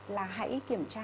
là hãy kiểm tra